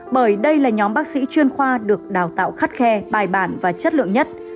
bởi đây là nhóm bác sĩ chuyên khoa được đào tạo khắt khe bài bản và chất lượng nhất